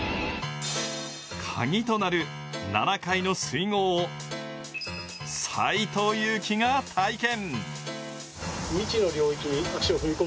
カギとなる７回の水濠を斎藤佑樹が体験。